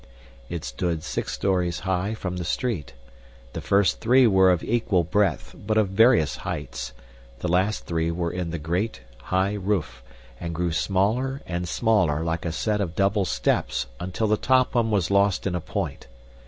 It stood six stories high from the street. The first three were of equal breadth but of various heights, the last three were in the great, high roof, and grew smaller and smaller like a set of double steps until the top one was lost in a point.